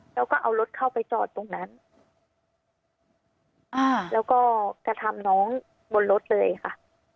แล้วก็เอารถเข้าไปจอดตรงนั้นอ่าแล้วก็กระทำน้องบนรถเลยค่ะ